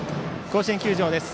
甲子園球場です。